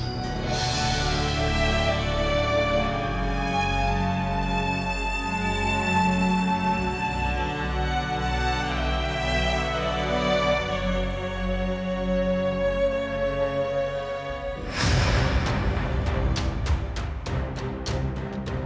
aku akan menunggu